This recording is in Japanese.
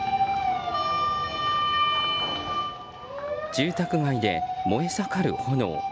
住宅街で燃え盛る炎。